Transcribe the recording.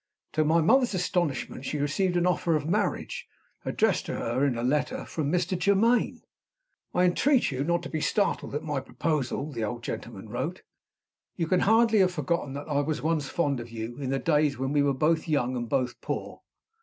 To my mother's astonishment she received an offer of marriage (addressed to her in a letter) from Mr. Germaine. "I entreat you not to be startled by my proposal!" (the old gentleman wrote). "You can hardly have forgotten that I was once fond of you, in the days when we were both young and both poor.